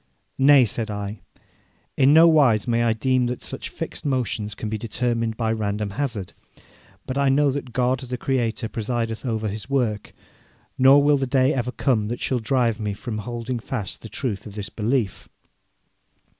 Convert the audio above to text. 'Nay,' said I, 'in no wise may I deem that such fixed motions can be determined by random hazard, but I know that God, the Creator, presideth over His work, nor will the day ever come that shall drive me from holding fast the truth of this belief.'